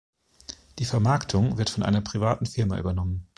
Die Vermarktung wird von einer privaten Firma übernommen.